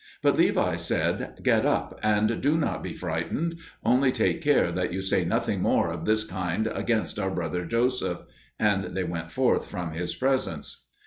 But Levi said, "Get up and do not be frightened: only take care that you say nothing more of this kind against our brother Joseph." And they went forth from his presence.